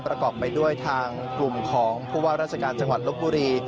ประกอบไปด้วยทางกลุ่มของผู้ว่าราชการจังหวัดลบบุรี